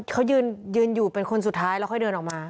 เขายืนอยู่เป็นคนสุดท้ายแล้วค่อยเดินออกมา